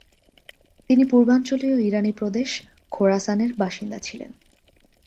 তিনি পূর্বাঞ্চলীয় ইরানী প্রদেশ খোরাসানের বাসিন্দা ছিলেন।